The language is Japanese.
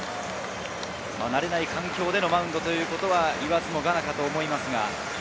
慣れない環境でのマウンドということは言わずもがなだと思います。